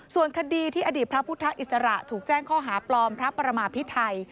ส่วนคดีที่อดีตพระพุทธอิสระถูกแจ้งข้อหาปลอมพระประมาพิไทย